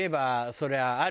そりゃあるよ。